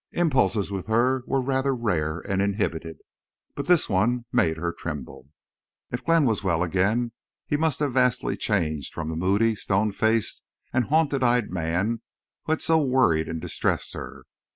Impulses with her were rather rare and inhibited, but this one made her tremble. If Glenn was well again he must have vastly changed from the moody, stone faced, and haunted eyed man who had so worried and distressed her.